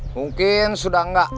mungkin sudah enggak